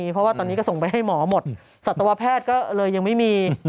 เพราะว่าตอนนี้ก็ส่งไปให้หมอหมดสัตวแพทย์ก็เลยยังไม่มี